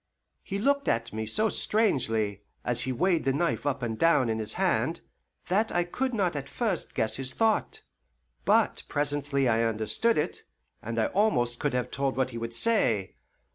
He looked at me so strangely, as he weighed the knife up and down in his hand, that I could not at first guess his thought; but presently I understood it, and I almost could have told what he would say.